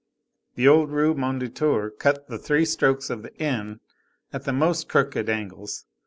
The old Rue Mondétour cut the three strokes of the N at the most crooked angles.